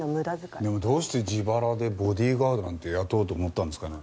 でもどうして自腹でボディーガードなんて雇おうと思ったんですかね？